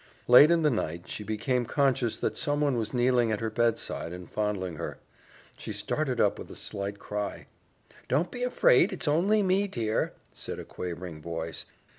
Late in the night, she became conscious that someone was kneeling at her bedside and fondling her. She started up with a slight cry. "Don't be afraid; it's only me, dear," said a quavering voice.